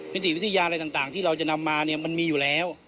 นิติวิทยาอะไรต่างที่เราจะนำมาเนี่ยมันมีอยู่แล้ว